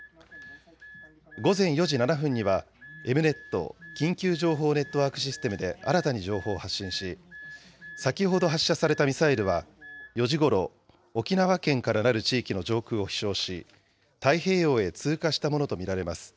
午前４時７分には、エムネット・緊急情報ネットワークシステムで新たに情報を発信し、先ほど発射されたミサイルは４時ごろ、沖縄県からなる地域の上空を飛しょうし、太平洋へ通過したものと見られます。